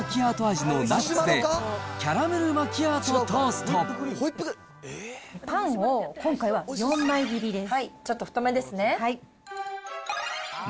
味のナッツで、パンを今回は４枚切りです。